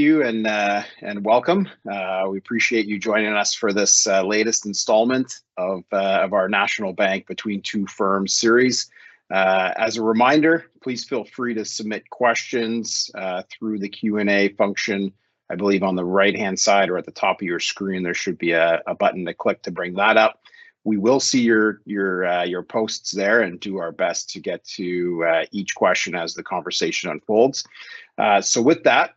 You and welcome. We appreciate you joining us for this latest installment of our National Bank Financial Between Two Firms series. As a reminder, please feel free to submit questions through the Q&A function. I believe on the right-hand side or at the top of your screen, there should be a button to click to bring that up. We will see your posts there and do our best to get to each question as the conversation unfolds. So with that,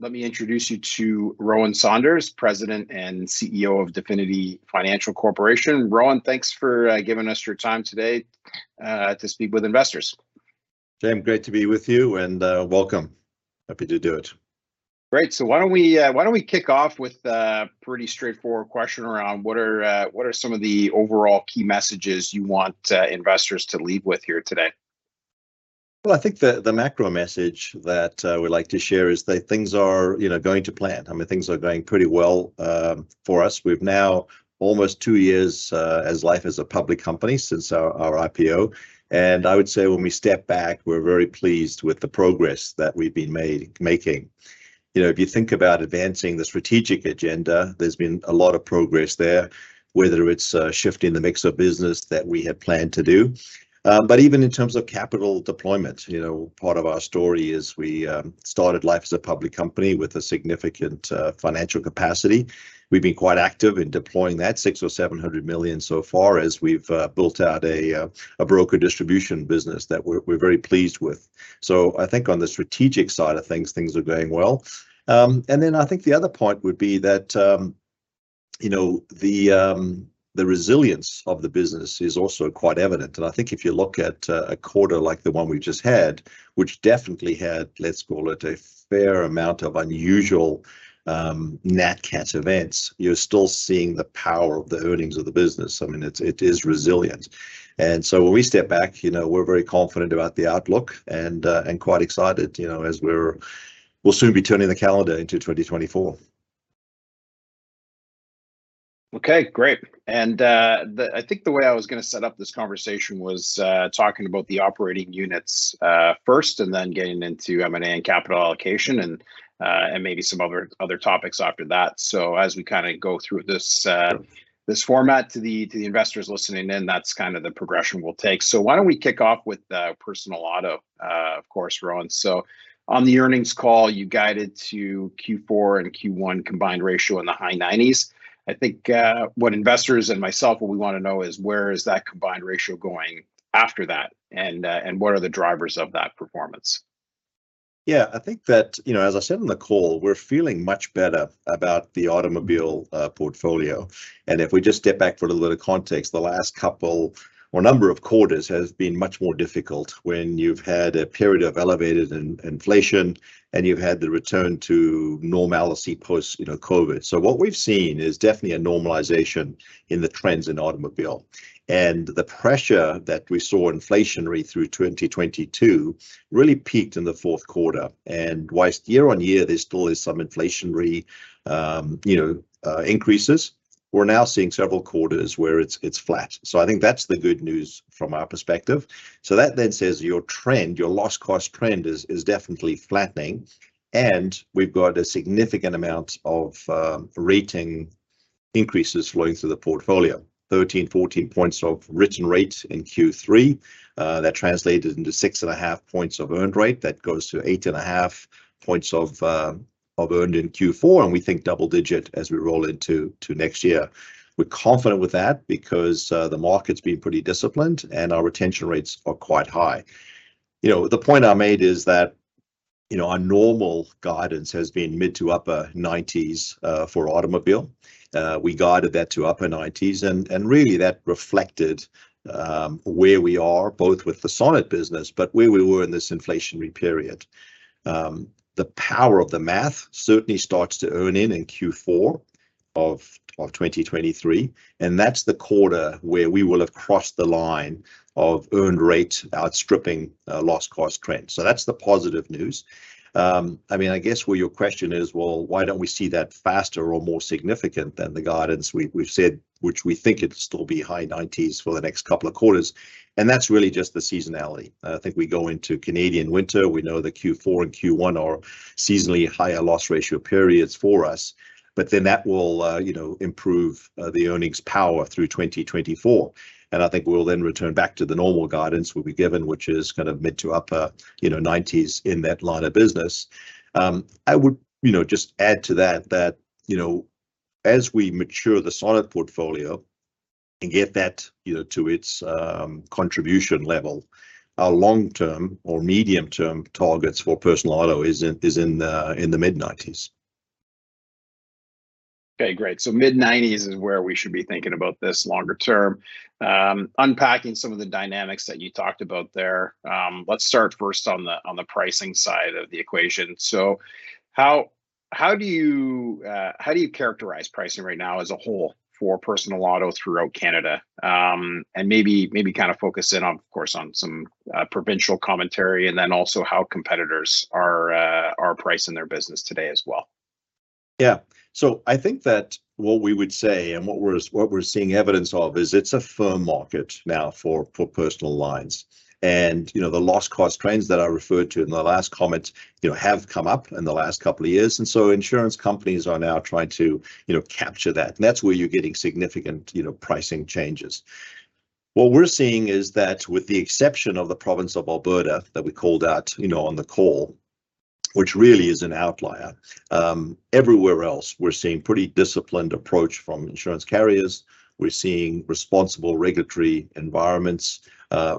let me introduce you to Rowan Saunders, President and CEO of Definity Financial Corporation. Rowan, thanks for giving us your time today to speak with investors. Jaeme, great to be with you and welcome. Happy to do it. Great! So why don't we kick off with a pretty straightforward question around what are some of the overall key messages you want investors to leave with here today? Well, I think the macro message that we'd like to share is that things are, you know, going to plan. I mean, things are going pretty well for us. We've now almost two years in life as a public company since our IPO, and I would say when we step back, we're very pleased with the progress that we've been making. You know, if you think about advancing the strategic agenda, there's been a lot of progress there, whether it's shifting the mix of business that we had planned to do. But even in terms of capital deployment, you know, part of our story is we started life as a public company with a significant financial capacity. We've been quite active in deploying that six or seven hundred million so far as we've built out a broker distribution business that we're very pleased with. So I think on the strategic side of things, things are going well. And then I think the other point would be that, you know, the resilience of the business is also quite evident, and I think if you look at a quarter like the one we've just had, which definitely had, let's call it a fair amount of unusual Nat Cat events, you're still seeing the power of the earnings of the business. I mean, it is resilient. And so when we step back, you know, we're very confident about the outlook and quite excited, you know, as we'll soon be turning the calendar into 2024. Okay, great. And, the. I think the way I was gonna set up this conversation was, talking about the operating units, first, and then getting into M&A and capital allocation, and, and maybe some other, other topics after that. So as we kind of go through this, this format to the, to the investors listening in, that's kind of the progression we'll take. So why don't we kick off with, personal auto, of course, Rowan. So on the earnings call, you guided to Q4 and Q1 combined ratio in the high 90s. I think, what investors and myself, what we want to know is, where is that combined ratio going after that, and, and what are the drivers of that performance? Yeah, I think that, you know, as I said on the call, we're feeling much better about the automobile portfolio. And if we just step back for a little bit of context, the last couple or number of quarters has been much more difficult when you've had a period of elevated inflation, and you've had the return to normalcy post, you know, COVID. So what we've seen is definitely a normalization in the trends in automobile, and the pressure that we saw inflationary through 2022 really peaked in the fourth quarter. And whilst year-on-year there still is some inflationary, you know, increases, we're now seeing several quarters where it's, it's flat. So I think that's the good news from our perspective. So that then says your trend, your loss cost trend is definitely flattening, and we've got a significant amount of rating increases flowing through the portfolio. 13, 14 points of written rate in Q3, that translated into 6.5 points of earned rate. That goes to 8.5 points of earned in Q4, and we think double-digit as we roll into next year. We're confident with that because the market's been pretty disciplined, and our retention rates are quite high. You know, the point I made is that, you know, our normal guidance has been mid- to upper 90s for automobile. We guided that to upper 90s, and really, that reflected where we are both with the Sonnet business, but where we were in this inflationary period. The power of the math certainly starts to earn in, in Q4 of 2023, and that's the quarter where we will have crossed the line of earned rate outstripping loss cost trend. So that's the positive news. I mean, I guess, where your question is, well, why don't we see that faster or more significant than the guidance we've said, which we think it'll still be high 90s for the next couple of quarters, and that's really just the seasonality. I think we go into Canadian winter. We know that Q4 and Q1 are seasonally higher loss ratio periods for us, but then that will, you know, improve the earnings power through 2024, and I think we'll then return back to the normal guidance we'll be given, which is kind of mid-to upper 90s, you know, in that line of business. I would, you know, just add to that, that, you know, as we mature the Sonnet portfolio and get that, you know, to its contribution level, our long-term or medium-term targets for personal auto is in, is in the, in the mid-90s. Okay, great. So mid-nineties is where we should be thinking about this longer term. Unpacking some of the dynamics that you talked about there, let's start first on the pricing side of the equation. So how do you characterize pricing right now as a whole for personal auto throughout Canada? And maybe kind of focus in on, of course, on some provincial commentary and then also how competitors are pricing their business today as well. Yeah, so I think that what we would say, and what we're seeing evidence of, is it's a firm market now for personal lines. And, you know, the loss cost trends that I referred to in the last comment, you know, have come up in the last couple of years. And so insurance companies are now trying to, you know, capture that, and that's where you're getting significant, you know, pricing changes. What we're seeing is that with the exception of the province of Alberta that we called out, you know, on the call, which really is an outlier, everywhere else we're seeing pretty disciplined approach from insurance carriers. We're seeing responsible regulatory environments,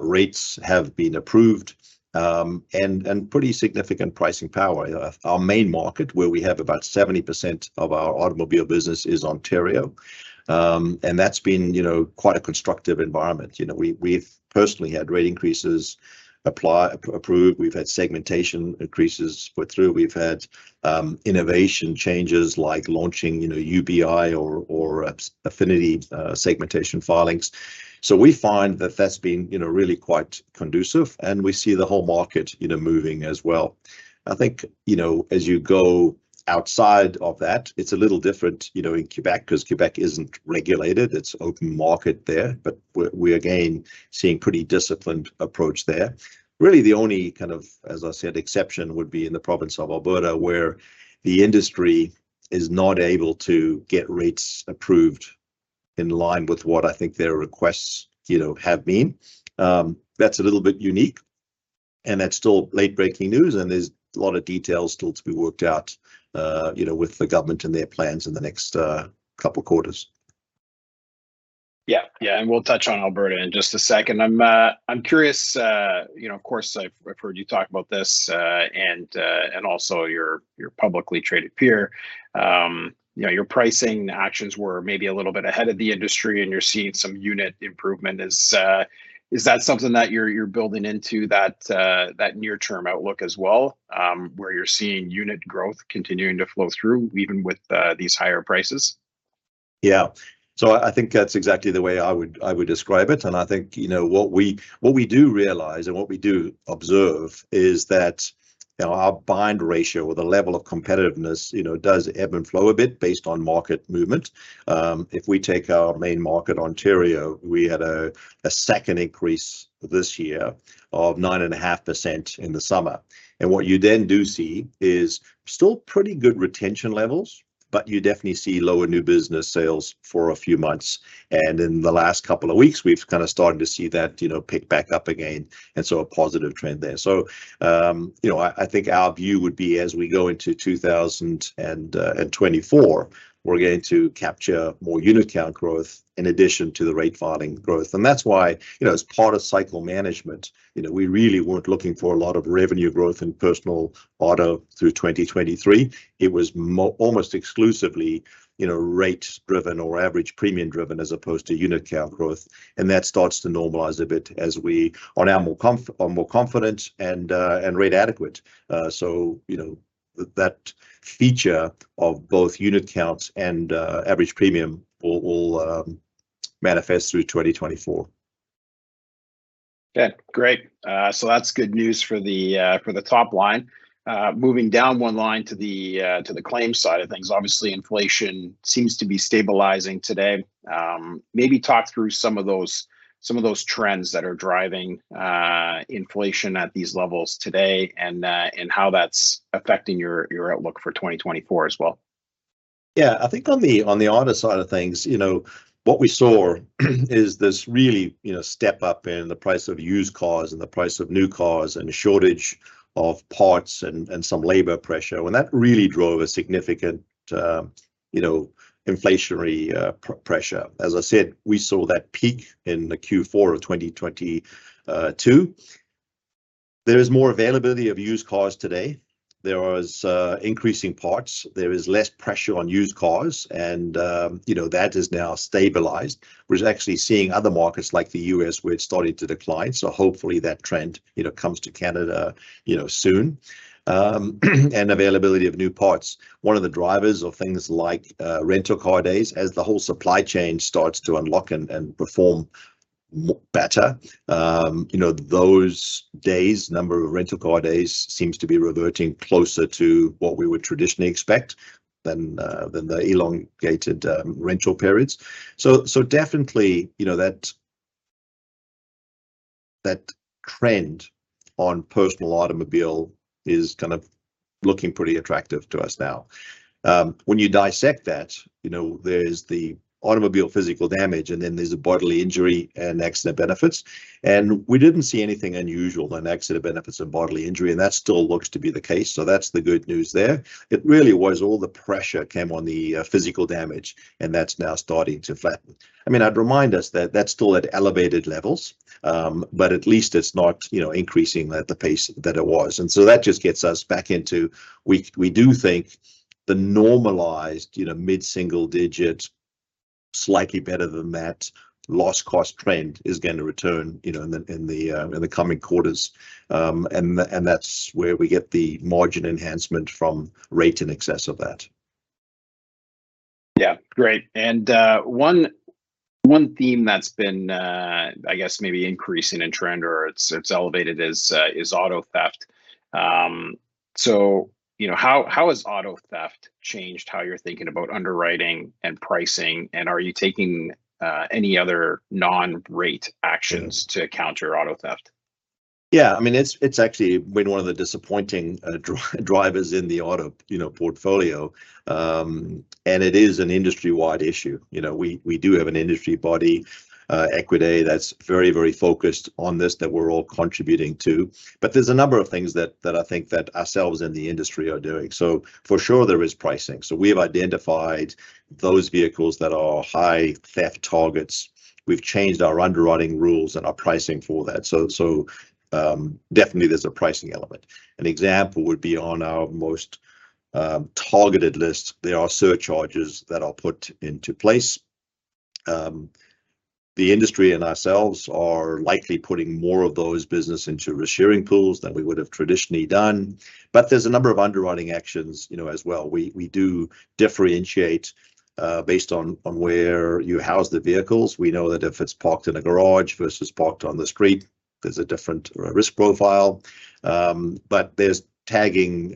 rates have been approved, and pretty significant pricing power. Our main market, where we have about 70% of our automobile business, is Ontario. And that's been, you know, quite a constructive environment. You know, we've personally had rate increases approved. We've had segmentation increases put through. We've had innovation changes, like launching, you know, UBI or affinity segmentation filings. So we find that that's been, you know, really quite conducive, and we see the whole market, you know, moving as well. I think, you know, as you go outside of that, it's a little different, you know, in Quebec, 'cause Quebec isn't regulated. It's open market there. But we're again seeing pretty disciplined approach there. Really the only kind of, as I said, exception would be in the province of Alberta, where the industry is not able to get rates approved in line with what I think their requests, you know, have been. That's a little bit unique, and that's still late-breaking news, and there's a lot of details still to be worked out, you know, with the government and their plans in the next couple quarters. Yeah. Yeah, and we'll touch on Alberta in just a second. I'm curious, you know, of course, I've heard you talk about this, and also your publicly traded peer. You know, your pricing actions were maybe a little bit ahead of the industry, and you're seeing some unit improvement. Is that something that you're building into that near-term outlook as well, where you're seeing unit growth continuing to flow through, even with these higher prices? Yeah, so I think that's exactly the way I would, I would describe it. And I think, you know, what we, what we do realize, and what we do observe, is that, you know, our bind ratio or the level of competitiveness, you know, does ebb and flow a bit based on market movement. If we take our main market, Ontario, we had a second increase this year of 9.5% in the summer. And what you then do see is still pretty good retention levels, but you definitely see lower new business sales for a few months. And in the last couple of weeks, we've kind of started to see that, you know, pick back up again, and so a positive trend there. So, you know, I think our view would be as we go into 2024, we're going to capture more unit count growth in addition to the rate filing growth. And that's why, you know, as part of cycle management, you know, we really weren't looking for a lot of revenue growth in personal auto through 2023. It was almost exclusively, you know, rate-driven or average premium-driven, as opposed to unit count growth, and that starts to normalize a bit as we are more confident and rate adequate. So, you know, that feature of both unit counts and average premium will manifest through 2024. Okay, great. So that's good news for the, for the top line. Moving down one line to the, to the claims side of things, obviously, inflation seems to be stabilizing today. Maybe talk through some of those, some of those trends that are driving, inflation at these levels today and, and how that's affecting your, your outlook for 2024 as well. Yeah, I think on the auto side of things, you know, what we saw is this really, you know, step-up in the price of used cars and the price of new cars and a shortage of parts and some labor pressure, and that really drove a significant, you know, inflationary pressure. As I said, we saw that peak in the Q4 of 2022. There is more availability of used cars today. There is increasing parts. There is less pressure on used cars, and you know, that is now stabilized. We're actually seeing other markets, like the U.S., where it's started to decline, so hopefully that trend, you know, comes to Canada, you know, soon. And availability of new parts. One of the drivers of things like rental car days, as the whole supply chain starts to unlock and perform better, you know, those days, number of rental car days, seems to be reverting closer to what we would traditionally expect than the elongated rental periods. So definitely, you know, that trend on personal automobile is kind of looking pretty attractive to us now. When you dissect that, you know, there's the automobile physical damage, and then there's the bodily injury and accident benefits, and we didn't see anything unusual in accident benefits and bodily injury, and that still looks to be the case. So that's the good news there. It really was all the pressure came on the physical damage, and that's now starting to flatten. I mean, I'd remind us that that's still at elevated levels, but at least it's not, you know, increasing at the pace that it was. And so that just gets us back into we do think the normalized, you know, mid-single digits, slightly better than that, loss cost trend is going to return, you know, in the coming quarters. And that's where we get the margin enhancement from rate in excess of that. Yeah, great. And, one theme that's been, I guess maybe increasing in trend or it's elevated is auto theft. So, you know, how has auto theft changed how you're thinking about underwriting and pricing? And are you taking any other non-rate actions- to counter auto theft? Yeah, I mean, it's actually been one of the disappointing drivers in the auto, you know, portfolio. And it is an industry-wide issue. You know, we do have an industry body, Équité, that's very, very focused on this that we're all contributing to. But there's a number of things that I think that ourselves in the industry are doing. So for sure there is pricing. So we have identified those vehicles that are high theft targets. We've changed our underwriting rules and our pricing for that. So definitely there's a pricing element. An example would be on our most targeted list, there are surcharges that are put into place. The industry and ourselves are likely putting more of those business into reinsurance pools than we would've traditionally done. But there's a number of underwriting actions, you know, as well. We do differentiate based on where you house the vehicles. We know that if it's parked in a garage versus parked on the street, there's a different risk profile. But there's tagging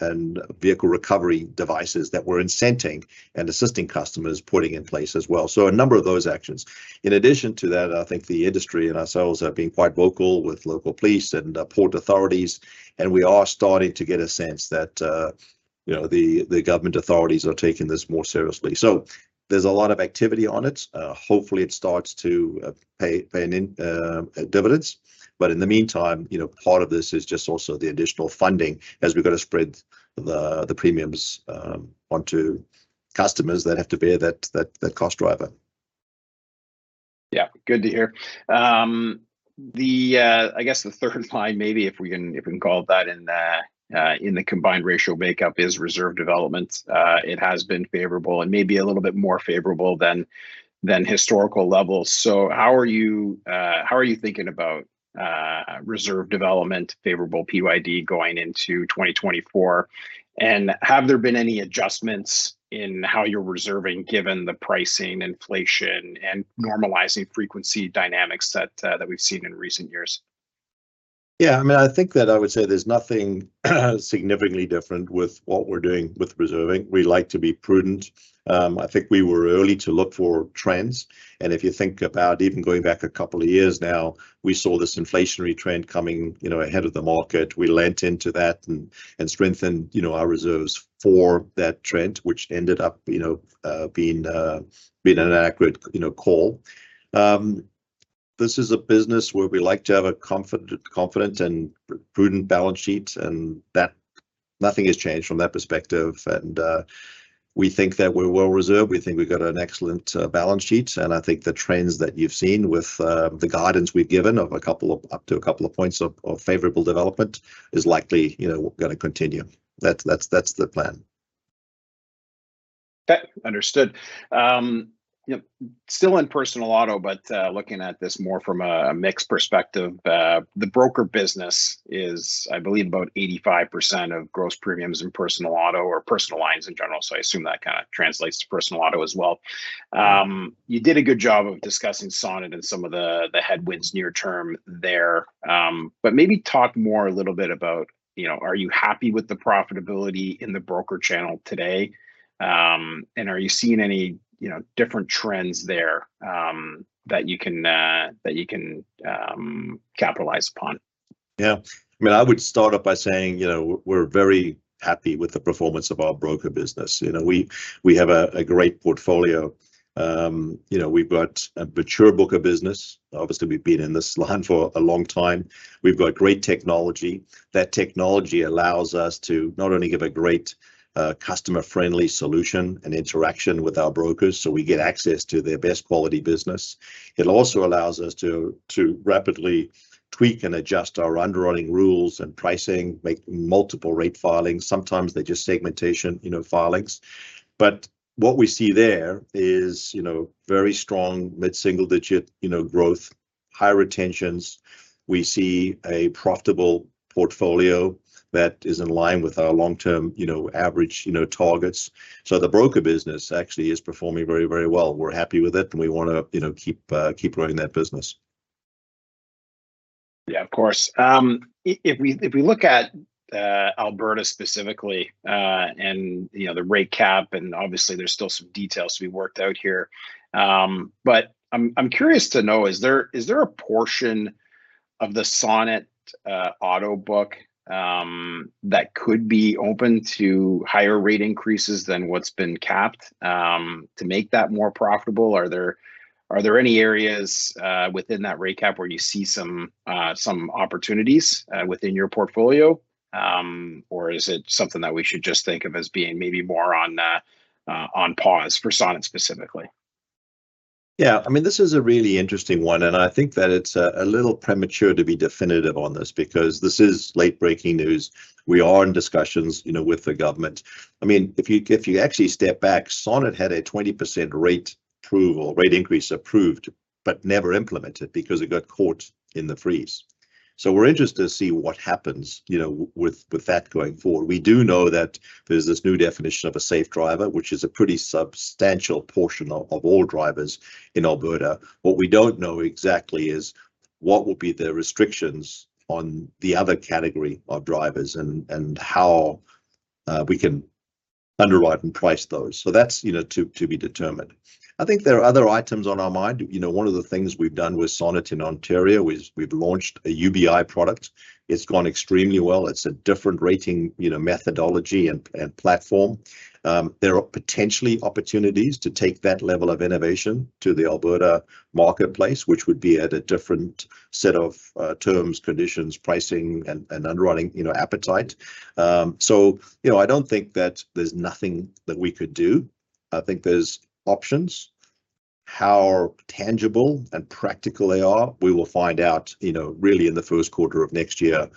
and vehicle recovery devices that we're incenting and assisting customers putting in place as well. So a number of those actions. In addition to that, I think the industry and ourselves are being quite vocal with local police and port authorities, and we are starting to get a sense that you know the government authorities are taking this more seriously. So there's a lot of activity on it. Hopefully, it starts to pay dividends. But in the meantime, you know, part of this is just also the additional funding as we've got to spread the premiums onto customers that have to bear that cost driver. Yeah, good to hear. I guess the third line, maybe if we can call it that, in the combined ratio makeup is reserve development. It has been favorable and maybe a little bit more favorable than historical levels. So how are you thinking about reserve development, favorable PYD going into 2024? And have there been any adjustments in how you're reserving, given the pricing, inflation, and normalizing frequency dynamics that we've seen in recent years? Yeah, I mean, I think that I would say there's nothing significantly different with what we're doing with reserving. We like to be prudent. I think we were early to look for trends, and if you think about even going back a couple of years now, we saw this inflationary trend coming, you know, ahead of the market. We leaned into that and strengthened, you know, our reserves for that trend, which ended up, you know, being an accurate, you know, call. This is a business where we like to have a confident and prudent balance sheet, and that nothing has changed from that perspective. And we think that we're well reserved. We think we've got an excellent balance sheet. I think the trends that you've seen with the guidance we've given of a couple of up to a couple of points of favorable development is likely, you know, gonna continue. That's, that's, that's the plan. Okay, understood. You know, still in personal auto, but looking at this more from a mixed perspective, the broker business is, I believe, about 85% of gross premiums in personal auto or personal lines in general, so I assume that kind of translates to personal auto as well. You did a good job of discussing Sonnet and some of the headwinds near term there. But maybe talk more a little bit about, you know, are you happy with the profitability in the broker channel today? And are you seeing any, you know, different trends there that you can capitalize upon? Yeah. I mean, I would start off by saying, you know, we're very happy with the performance of our broker business. You know, we have a great portfolio. You know, we've got a mature book of business. Obviously, we've been in this line for a long time. We've got great technology. That technology allows us to not only give a great customer-friendly solution and interaction with our brokers, so we get access to their best quality business. It also allows us to rapidly tweak and adjust our underwriting rules and pricing, make multiple rate filings. Sometimes they're just segmentation, you know, filings. But what we see there is, you know, very strong mid-single-digit, you know, growth, high retentions. We see a profitable portfolio that is in line with our long-term, you know, average, you know, targets. The broker business actually is performing very, very well. We're happy with it, and we want to, you know, keep growing that business. Yeah, of course. If we, if we look at Alberta specifically, and, you know, the rate cap, and obviously there's still some details to be worked out here, but I'm curious to know, is there, is there a portion of the Sonnet auto book that could be open to higher rate increases than what's been capped, to make that more profitable? Are there, are there any areas within that rate cap where you see some opportunities within your portfolio? Or is it something that we should just think of as being maybe more on pause for Sonnet specifically? Yeah, I mean, this is a really interesting one, and I think that it's a little premature to be definitive on this, because this is late-breaking news. We are in discussions, you know, with the government. I mean, if you, if you actually step back, Sonnet had a 20% rate approval rate increase approved, but never implemented because it got caught in the freeze. So we're interested to see what happens, you know, with, with that going forward. We do know that there's this new definition of a safe driver, which is a pretty substantial portion of all drivers in Alberta. What we don't know exactly is what will be the restrictions on the other category of drivers, and how, uh, we can underwrite and price those. So that's, you know, to be determined. I think there are other items on our mind. You know, one of the things we've done with Sonnet in Ontario is we've launched a UBI product. It's gone extremely well. It's a different rating, you know, methodology and, and platform. There are potentially opportunities to take that level of innovation to the Alberta marketplace, which would be at a different set of terms, conditions, pricing, and, and underwriting, you know, appetite. So, you know, I don't think that there's nothing that we could do. I think there's options. How tangible and practical they are, we will find out, you know, really in the first quarter of next year,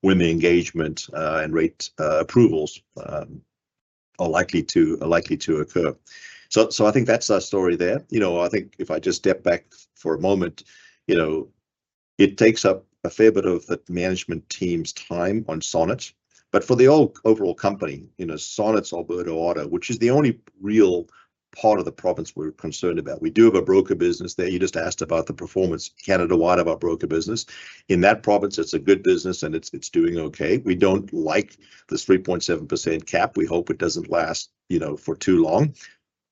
when the engagement and rate approvals are likely to occur. So, so I think that's our story there. You know, I think if I just step back for a moment, you know, it takes up a fair bit of the management team's time on Sonnet, but for the overall company, you know, Sonnet's Alberta Auto, which is the only real part of the province we're concerned about. We do have a broker business there. You just asked about the performance Canada-wide of our broker business. In that province, it's a good business, and it's doing okay. We don't like this 3.7% cap. We hope it doesn't last, you know, for too long,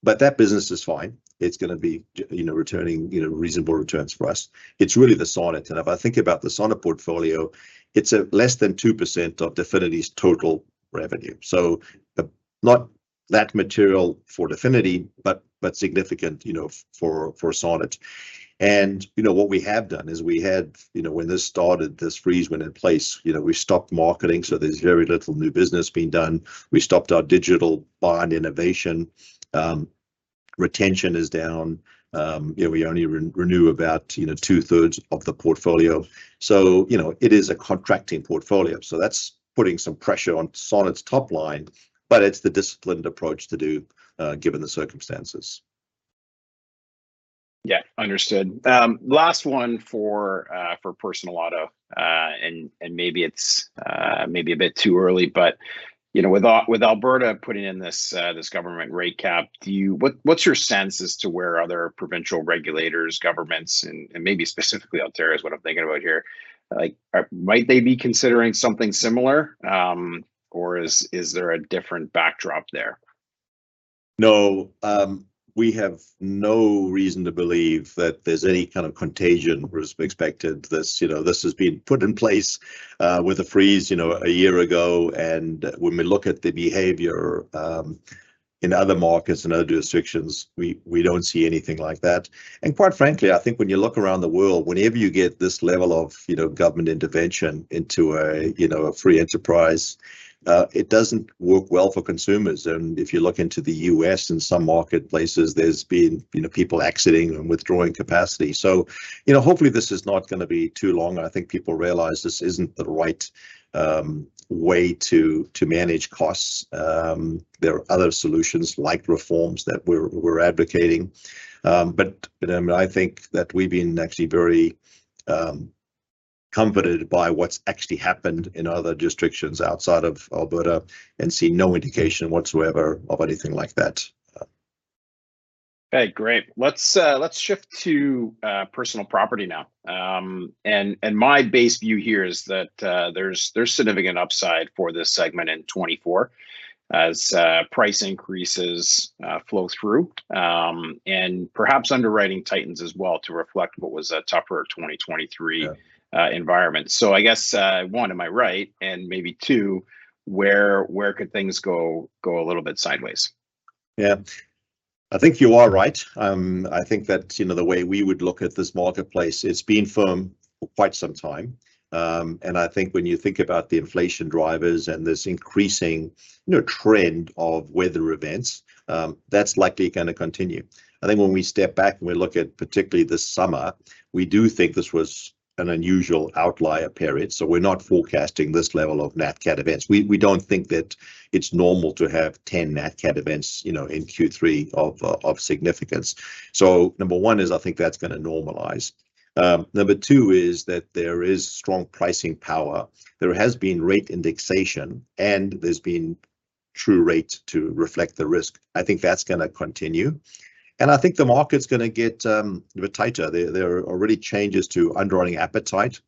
but that business is fine. It's gonna be just you know, returning reasonable returns for us. It's really the Sonnet, and if I think about the Sonnet portfolio, it's less than 2% of Definity's total revenue. So, not that material for Definity, but significant, you know, for Sonnet. You know, what we have done is we had, you know, when this started, this freeze went in place, you know, we stopped marketing, so there's very little new business being done. We stopped our digital broker innovation. Retention is down. You know, we only renew about, you know, two-thirds of the portfolio. So, you know, it is a contracting portfolio. So that's putting some pressure on Sonnet's top line, but it's the disciplined approach to do, given the circumstances. Yeah, understood. Last one for personal auto. And maybe it's maybe a bit too early, but you know, with Alberta putting in this this government rate cap, do you. What's your sense as to where other provincial regulators, governments, and maybe specifically Ontario, is what I'm thinking about here, like, might they be considering something similar? Or is there a different backdrop there? No, we have no reason to believe that there's any kind of contagion was expected. This, you know, this has been put in place, with a freeze, you know, a year ago, and when we look at the behavior, in other markets, in other jurisdictions, we, we don't see anything like that. And quite frankly, I think when you look around the world, whenever you get this level of, you know, government intervention into a, you know, a free enterprise, it doesn't work well for consumers. And if you look into the U.S., in some marketplaces, there's been, you know, people exiting and withdrawing capacity. So, you know, hopefully, this is not gonna be too long, and I think people realize this isn't the right, way to, to manage costs. There are other solutions, like reforms, that we're, we're advocating. But, I think that we've been actually very comforted by what's actually happened in other jurisdictions outside of Alberta, and see no indication whatsoever of anything like that. Okay, great. Let's shift to personal property now. My base view here is that there's significant upside for this segment in 2024, as price increases flow through, and perhaps underwriting tightens as well to reflect what was a tougher 2023- Yeah environment. So I guess, one, am I right? And maybe two, where could things go a little bit sideways? Yeah, I think you are right. I think that, you know, the way we would look at this marketplace, it's been firm for quite some time. I think when you think about the inflation drivers and this increasing, you know, trend of weather events, that's likely gonna continue. I think when we step back and we look at particularly this summer, we do think this was an unusual outlier period, so we're not forecasting this level of Nat Cat events. We don't think that it's normal to have 10 Nat Cat events, you know, in Q3 of significance. So number one is I think that's gonna normalize. Number two is that there is strong pricing power. There has been rate indexation, and there's been true rates to reflect the risk. I think that's gonna continue, and I think the market's gonna get a bit tighter. There are already changes to underwriting appetite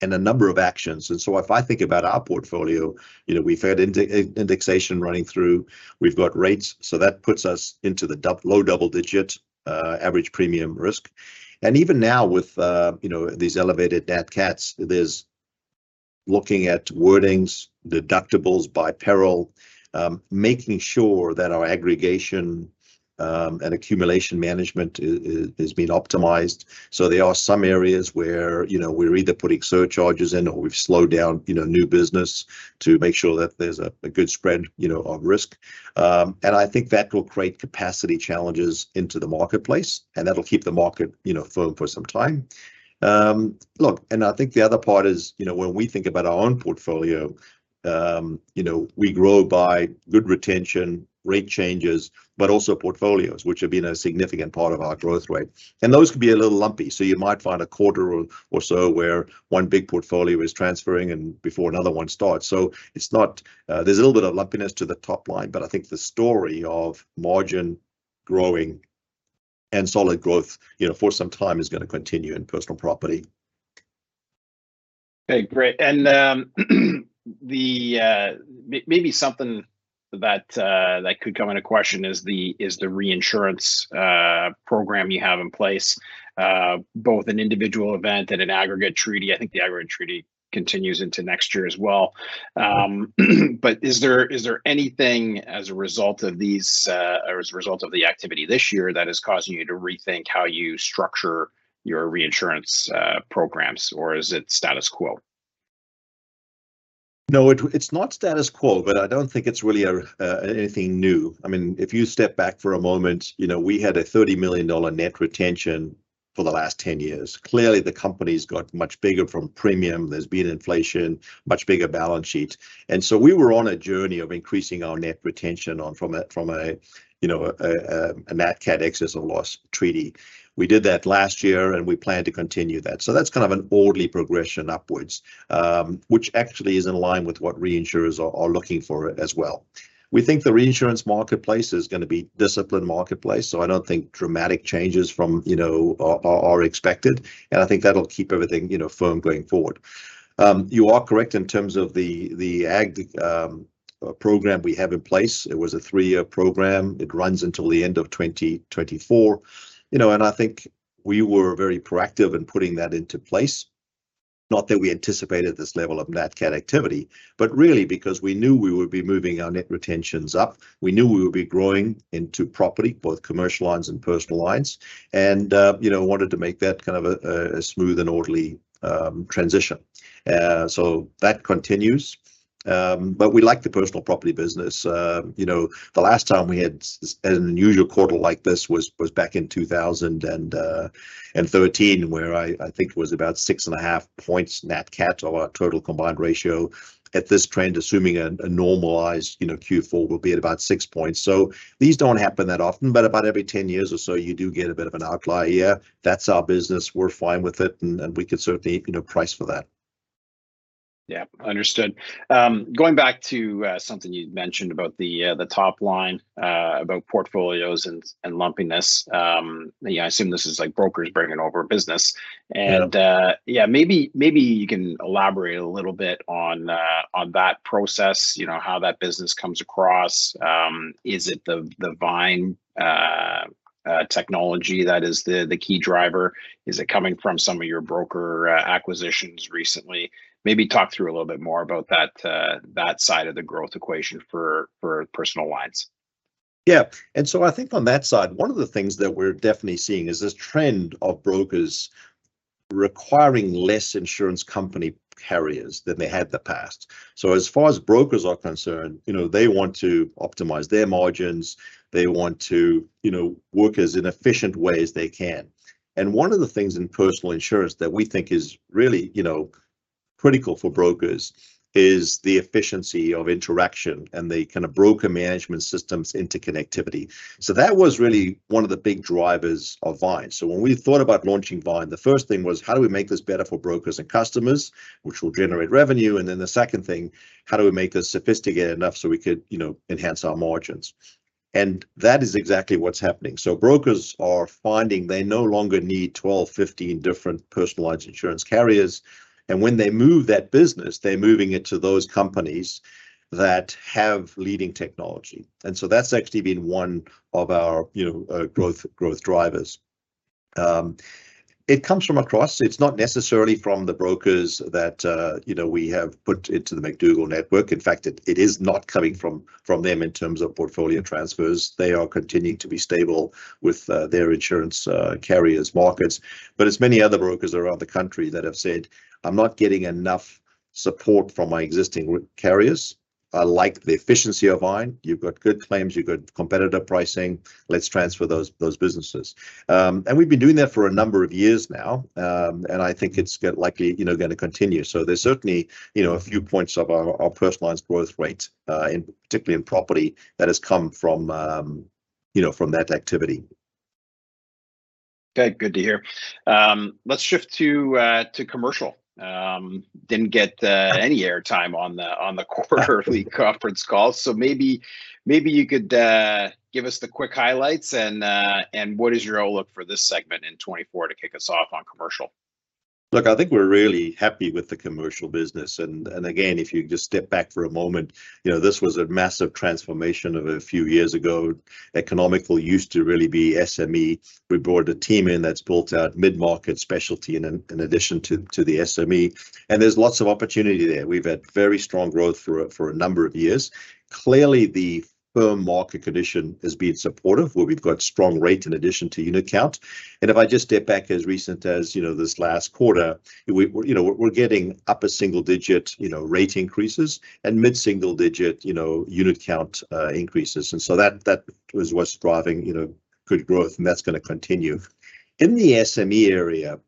and a number of actions. And so if I think about our portfolio, you know, we've had indexation running through. We've got rates, so that puts us into the low double digit average premium risk. And even now with, you know, these elevated Nat Cats, there's looking at wordings, deductibles by peril, making sure that our aggregation and accumulation management has been optimized. So there are some areas where, you know, we're either putting surcharges in or we've slowed down, you know, new business to make sure that there's a good spread, you know, of risk. And I think that will create capacity challenges into the marketplace, and that'll keep the market, you know, firm for some time. Look, and I think the other part is, you know, when we think about our own portfolio, you know, we grow by good retention, rate changes, but also portfolios, which have been a significant part of our growth rate, and those can be a little lumpy. So you might find a quarter or so where one big portfolio is transferring, and before another one starts. So it's not. There's a little bit of lumpiness to the top line, but I think the story of margin growing and solid growth, you know, for some time is gonna continue in personal property. Okay, great. And, the, maybe something that could come into question is the reinsurance program you have in place. Both an individual event and an aggregate treaty. I think the aggregate treaty continues into next year as well. But is there anything as a result of these, or as a result of the activity this year, that is causing you to rethink how you structure your reinsurance programs, or is it status quo? No, it's not status quo, but I don't think it's really anything new. I mean, if you step back for a moment, you know, we had a 30 million dollar net retention for the last 10 years. Clearly, the company's got much bigger from premium, there's been inflation, much bigger balance sheet. And so we were on a journey of increasing our net retention from a Nat Cat excess and loss treaty. We did that last year, and we plan to continue that. So that's kind of an orderly progression upwards, which actually is in line with what reinsurers are looking for as well. We think the reinsurance marketplace is gonna be disciplined marketplace, so I don't think dramatic changes from, you know, are expected, and I think that'll keep everything, you know, firm going forward. You are correct in terms of the program we have in place. It was a three-year program. It runs until the end of 2024. You know, and I think we were very proactive in putting that into place. Not that we anticipated this level of Nat Cat activity, but really because we knew we would be moving our net retentions up. We knew we would be growing into property, both commercial lines and personal lines, and you know, wanted to make that kind of a smooth and orderly transition. So that continues. But we like the personal property business. You know, the last time we had an unusual quarter like this was back in 2000 and 2013, where I think it was about 6.5 points Nat Cat on our total combined ratio. At this trend, assuming a normalized, you know, Q4 will be at about 6 points. So these don't happen that often, but about every 10 years or so, you do get a bit of an outlier year. That's our business, we're fine with it, and we can certainly, you know, price for that. Yeah, understood. Going back to something you'd mentioned about the top line about portfolios and lumpiness. Yeah, I assume this is like brokers bringing over business- Yeah and, yeah, maybe you can elaborate a little bit on that process. You know, how that business comes across. Is it the Vyne technology that is the key driver? Is it coming from some of your broker acquisitions recently? Maybe talk through a little bit more about that side of the growth equation for personal lines. Yeah. And so I think on that side, one of the things that we're definitely seeing is this trend of brokers requiring less insurance company carriers than they had in the past. So as far as brokers are concerned, you know, they want to optimize their margins. They want to, you know, work in an efficient way as they can. And one of the things in personal insurance that we think is really, you know, critical for brokers, is the efficiency of interaction and the kind of broker management systems interconnectivity. So that was really one of the big drivers of Vyne. So when we thought about launching Vyne, the first thing was, how do we make this better for brokers and customers, which will generate revenue? And then the second thing, how do we make this sophisticated enough so we could, you know, enhance our margins? And that is exactly what's happening. So brokers are finding they no longer need 12, 15 different personal line insurance carriers, and when they move that business, they're moving it to those companies that have leading technology. And so that's actually been one of our, you know, growth drivers. It comes from across. It's not necessarily from the brokers that, you know, we have put into the McDougall network. In fact, it is not coming from them in terms of portfolio transfers. They are continuing to be stable with their insurance carriers markets. But it's many other brokers around the country that have said, "I'm not getting enough support from my existing carriers. I like the efficiency of Vyne. You've got good claims, you've good competitor pricing. Let's transfer those businesses." And we've been doing that for a number of years now. And I think it's likely, you know, gonna continue. So there's certainly, you know, a few points of our personalized growth rate, particularly in property, that has come from, you know, from that activity. Okay, good to hear. Let's shift to commercial. Didn't get any airtime on the quarterly conference call. So maybe you could give us the quick highlights and what is your outlook for this segment in 2024 to kick us off on commercial? Look, I think we're really happy with the commercial business. And, and again, if you just step back for a moment, you know, this was a massive transformation of a few years ago. Economical used to really be SME. We brought a team in that's built out mid-market specialty in ad- in addition to, to the SME, and there's lots of opportunity there. We've had very strong growth for a, for a number of years. Clearly, the firm market condition has been supportive, where we've got strong rate in addition to unit count. And if I just step back as recent as, you know, this last quarter, we, you know, we're, we're getting upper single digit, you know, rate increases, and mid-single digit, you know, unit count increases. And so that, that is what's driving, you know, good growth, and that's gonna continue. In the SME area,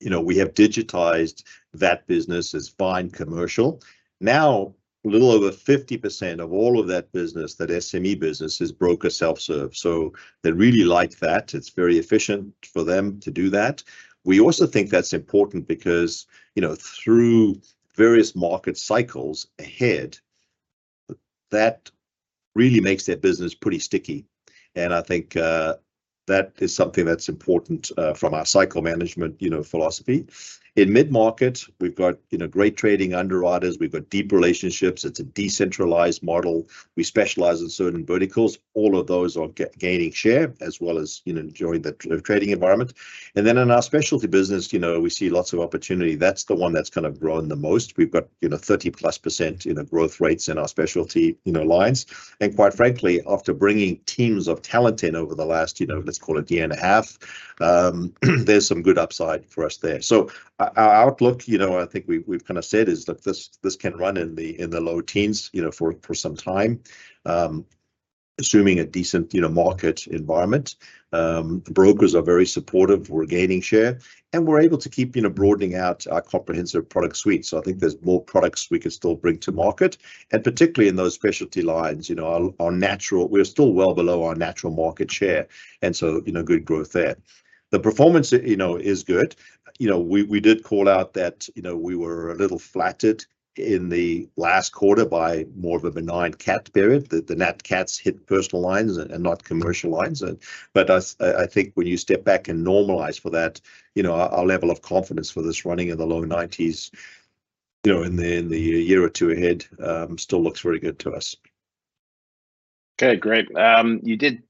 you know, we have digitized that business as Vyne Commercial. Now, a little over 50% of all of that business, that SME business, is broker self-serve. So they really like that. It's very efficient for them to do that. We also think that's important because, you know, through various market cycles ahead. That really makes their business pretty sticky, and I think that is something that's important from our cycle management, you know, philosophy. In mid-market, we've got, you know, great trading underwriters, we've got deep relationships. It's a decentralized model. We specialize in certain verticals. All of those are gaining share as well as, you know, enjoying the trading environment. And then in our specialty business, you know, we see lots of opportunity. That's the one that's kind of grown the most. We've got, you know, 30%+, you know, growth rates in our specialty, you know, lines. Quite frankly, after bringing teams of talent in over the last, you know, let's call it a year and a half, there's some good upside for us there. Our outlook, you know, I think we've kind of said, is, look, this can run in the low teens, you know, for some time, assuming a decent, you know, market environment. The brokers are very supportive, we're gaining share, and we're able to keep, you know, broadening out our comprehensive product suite. I think there's more products we can still bring to market, and particularly in those specialty lines, you know, our natural. We're still well below our natural market share, and so, you know, good growth there. The performance, you know, is good. You know, we did call out that, you know, we were a little flattered in the last quarter by more of a benign cat period. The Nat Cats hit personal lines and not commercial lines. But I think when you step back and normalize for that, you know, our level of confidence for this running in the low 90s, you know, in the year or two ahead, still looks very good to us. Okay, great. You did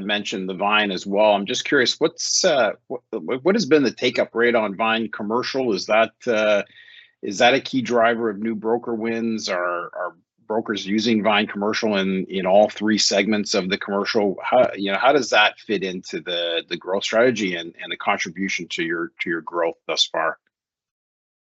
mention the Vyne as well. I'm just curious, what has been the take-up rate on Vyne Commercial? Is that a key driver of new broker wins, or are brokers using Vyne Commercial in all three segments of the commercial? How, you know, how does that fit into the growth strategy and the contribution to your growth thus far?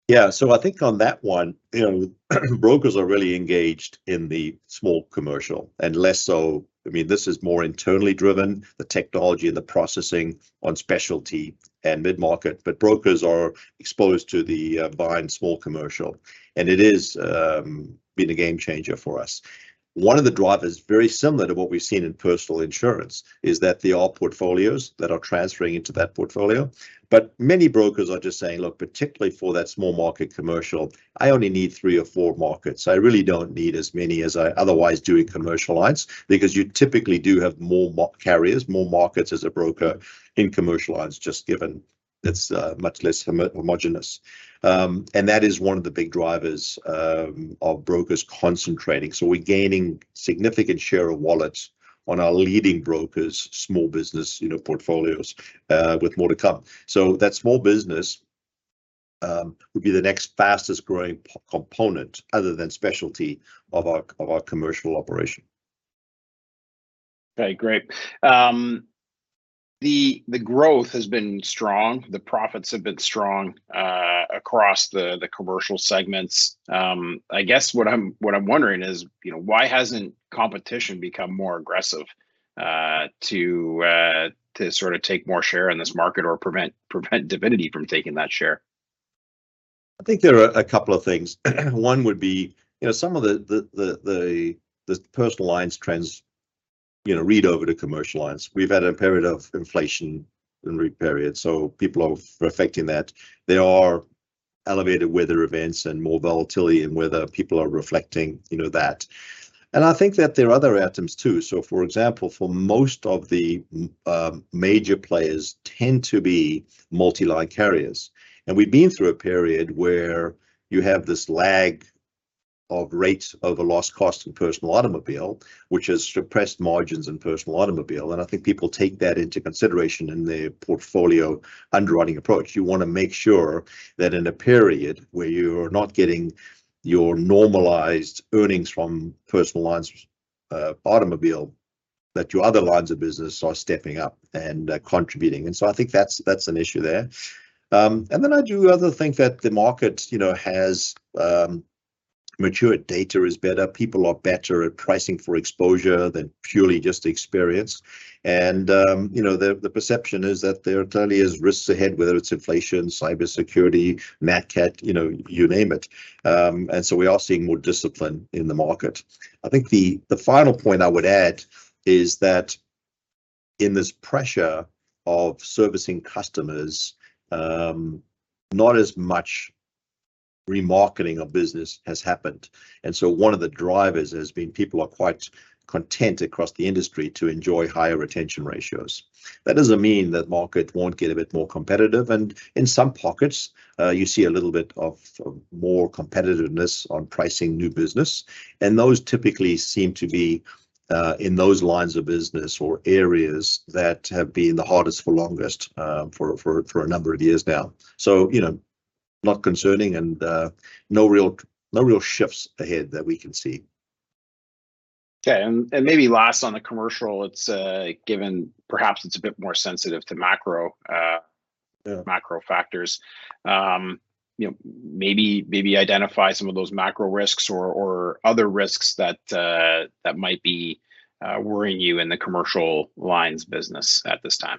Yeah, so I think on that one, you know, brokers are really engaged in the small commercial and less so. I mean, this is more internally driven, the technology and the processing on specialty and mid-market, but brokers are exposed to the Vyne Small Commercial, and it is been a game changer for us. One of the drivers, very similar to what we've seen in personal insurance, is that they are portfolios that are transferring into that portfolio. But many brokers are just saying, "Look, particularly for that small market commercial, I only need three or four markets. I really don't need as many as I otherwise do in commercial lines," because you typically do have more carriers, more markets as a broker in commercial lines, just given it's much less homogeneous. And that is one of the big drivers of brokers concentrating. We're gaining significant share of wallets on our leading brokers, small business, you know, portfolios, with more to come. That small business would be the next fastest-growing component, other than specialty, of our, of our commercial operation. Okay, great. The growth has been strong, the profits have been strong across the commercial segments. I guess what I'm wondering is, you know, why hasn't competition become more aggressive to sort of take more share in this market or prevent Definity from taking that share? I think there are a couple of things. One would be, you know, some of the personal lines trends, you know, read over to commercial lines. We've had a period of inflation and rate period, so people are reflecting that. There are elevated weather events and more volatility, and whether people are reflecting, you know, that. And I think that there are other items, too. So, for example, for most of the major players tend to be multi-line carriers. And we've been through a period where you have this lag of rates over loss cost and personal automobile, which has suppressed margins in personal automobile, and I think people take that into consideration in their portfolio underwriting approach. You want to make sure that in a period where you are not getting your normalized earnings from personal lines, automobile, that your other lines of business are stepping up and contributing. And so I think that's an issue there. And then I do also think that the market, you know, has mature data is better. People are better at pricing for exposure than purely just experience. And you know, the perception is that there certainly is risks ahead, whether it's inflation, cybersecurity, Nat Cat, you know, you name it. And so we are seeing more discipline in the market. I think the final point I would add is that in this pressure of servicing customers, not as much remarketing of business has happened. So one of the drivers has been people are quite content across the industry to enjoy higher retention ratios. That doesn't mean that market won't get a bit more competitive, and in some pockets, you see a little bit of more competitiveness on pricing new business. And those typically seem to be in those lines of business or areas that have been the hardest for longest for a number of years now. So, you know, not concerning and no real shifts ahead that we can see. Okay, and maybe last on the commercial, it's given perhaps it's a bit more sensitive to macro. Yeah macro factors. You know, maybe, maybe identify some of those macro risks or, or other risks that, that might be, worrying you in the commercial lines business at this time?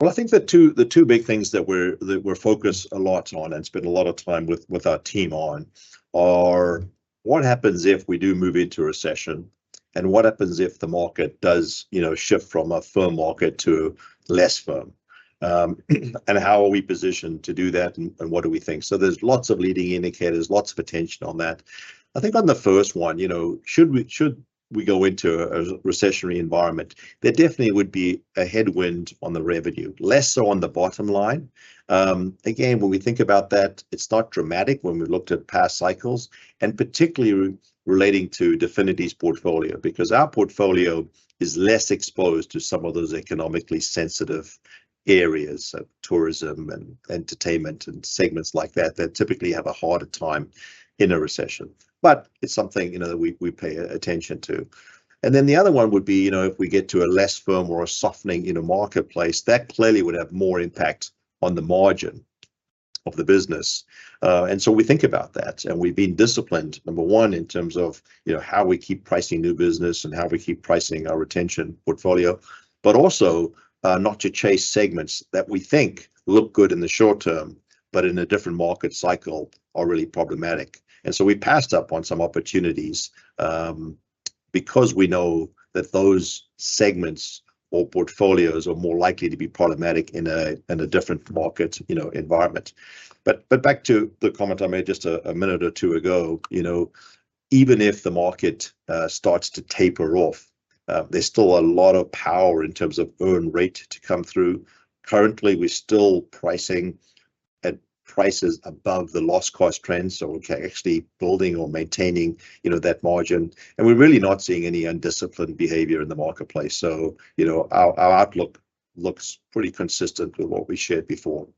Well, I think the two, the two big things that we're, that we're focused a lot on and spend a lot of time with, with our team on, are what happens if we do move into a recession? and what happens if the market does, you know, shift from a firm market to less firm? And how are we positioned to do that, and what do we think? So there's lots of leading indicators, lots of attention on that. I think on the first one, you know, should we go into a recessionary environment, there definitely would be a headwind on the revenue, less so on the bottom line. Again, when we think about that, it's not dramatic when we've looked at past cycles, and particularly relating to Definity's portfolio. Because our portfolio is less exposed to some of those economically sensitive areas of tourism, and entertainment, and segments like that, that typically have a harder time in a recession. But it's something, you know, that we, we pay attention to. And then the other one would be, you know, if we get to a less firm or a softening in the marketplace, that clearly would have more impact on the margin of the business. And so we think about that, and we've been disciplined, number one, in terms of, you know, how we keep pricing new business and how we keep pricing our retention portfolio. But also, not to chase segments that we think look good in the short term, but in a different market cycle are really problematic. And so we passed up on some opportunities, because we know that those segments or portfolios are more likely to be problematic in a different market, you know, environment. But back to the comment I made just a minute or two ago, you know, even if the market starts to taper off, there's still a lot of power in terms of earn rate to come through. Currently, we're still pricing at prices above the loss cost trend, so we're actually building or maintaining, you know, that margin, and we're really not seeing any undisciplined behavior in the marketplace. So, you know, our outlook looks pretty consistent with what we shared before.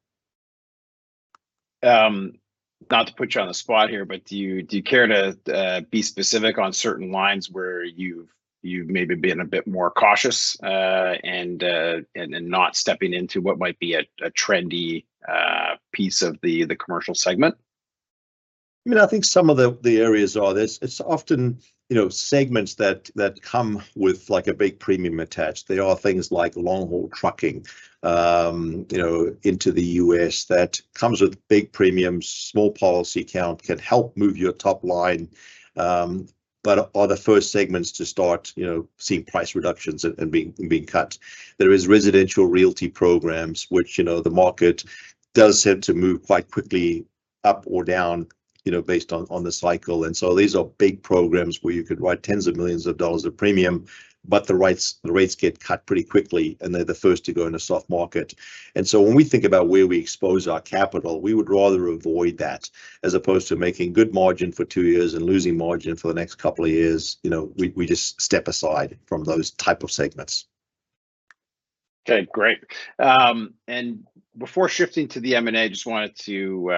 Not to put you on the spot here, but do you care to be specific on certain lines where you've maybe been a bit more cautious, and not stepping into what might be a trendy piece of the commercial segment? I mean, I think some of the areas are this. It's often, you know, segments that come with, like, a big premium attached. They are things like long-haul trucking, you know, into the U.S., that comes with big premiums, small policy count, can help move your top line. But are the first segments to start, you know, seeing price reductions and being cut. There is residential realty programs, which, you know, the market does tend to move quite quickly up or down, you know, based on the cycle. And so these are big programs where you could write tens of millions CAD of premium, but the rates get cut pretty quickly, and they're the first to go in a soft market. And so when we think about where we expose our capital, we would rather avoid that. As opposed to making good margin for two years and losing margin for the next couple of years, you know, we just step aside from those type of segments. Okay, great. And before shifting to the M&A, just wanted to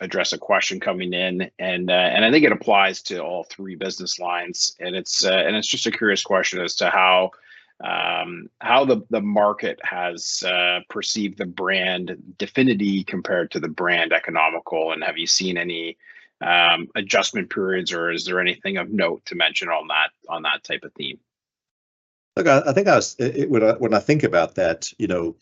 address a question coming in, and I think it applies to all three business lines. And it's just a curious question as to how the market has perceived the brand Definity compared to the brand Economical. And have you seen any adjustment periods, or is there anything of note to mention on that type of theme? Look, I think when I think about that, you know,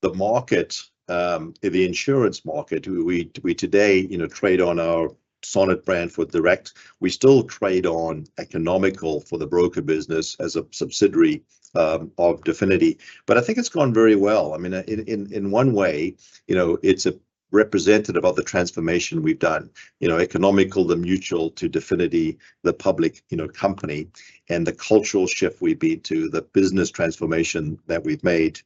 the market, the insurance market, we today, you know, trade on our Sonnet brand for direct. We still trade on Economical for the broker business as a subsidiary of Definity, but I think it's gone very well. I mean, in one way, you know, it's a representative of the transformation we've done. You know, Economical, the mutual, to Definity, the public, you know, company, and the cultural shift we've been to, the business transformation that we've made.